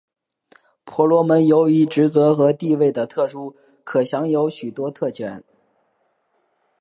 婆罗门由于职责和地位的特殊可享有许多特权。